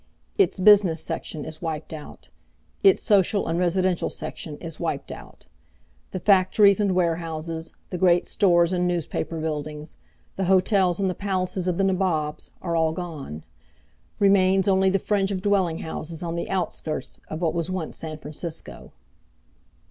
Its business section is wiped out. Its social and residential section is wiped out. The factories and warehouses, the great stores and newspaper buildings, the hotels and the palaces of the nabobs, are all gone. Remains only the fringe of dwelling houses on the outskirts of what was once San Francisco.